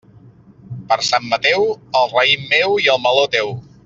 Per Sant Mateu, el raïm meu i el meló, teu.